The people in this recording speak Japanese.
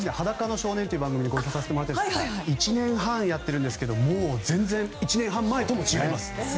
「裸の少年」という番組でご一緒させてもらって１年半やっているんですけどもう１年半前とも違います。